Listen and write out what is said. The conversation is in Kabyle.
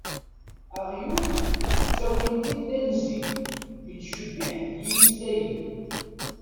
Aɣyul ttawin-t-id d anzi, yettcebbiḥ deg yimeslayen.